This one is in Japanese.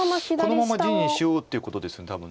このまま地にしようっていうことです多分。